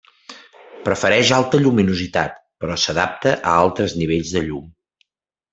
Prefereix alta lluminositat, però s'adapta a altres nivells de llum.